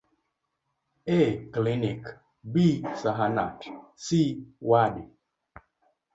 A. klinik B. zahanat C. wadi